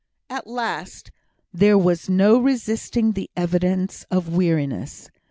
At last there was no resisting the evidence of weariness.